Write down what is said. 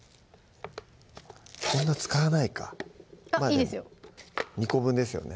こんな使わないかいいですよ２個分ですよね？